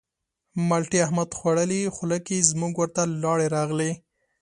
مالټې احمد خوړلې خوله کې زموږ ورته لاړې راغلې.